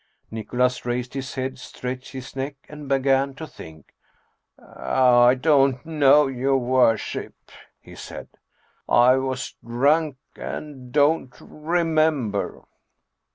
Nicholas raised his head, stretched his neck, and began to think. " I don't know, your worship," he said. " I was drunk and don't remember."